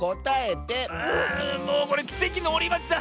あもうこれきせきのおりまちだ。